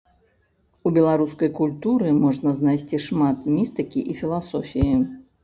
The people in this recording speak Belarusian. У беларускай культуры можна знайсці шмат містыкі і філасофіі.